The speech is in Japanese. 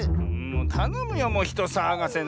たのむよもうひとさわがせな。